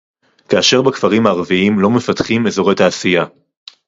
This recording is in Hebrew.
כאשר בכפרים הערביים לא מפתחים אזורי תעשייה